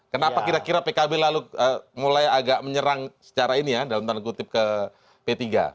kenapa kira kira pkb lalu mulai agak menyerang secara ini ya dalam tanda kutip ke p tiga